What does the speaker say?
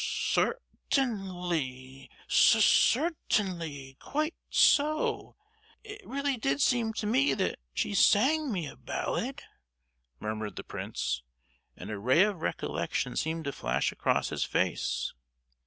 "Certainly—cer—tainly, quite so. It really did seem to me that she sang me a ballad," murmured the prince; and a ray of recollection seemed to flash across his face.